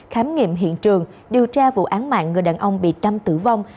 khám nghiệm hiện trường điều tra vụ án mạng người đàn ông bị trâm tử vong